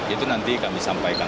itu nanti kami sampaikan